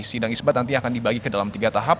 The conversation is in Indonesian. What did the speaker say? sidang isbat nanti akan dibagi ke dalam tiga tahap